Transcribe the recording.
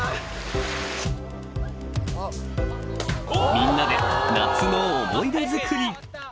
みんなで夏の思い出づくり